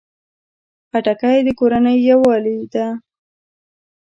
خټکی د کورنۍ یووالي ده.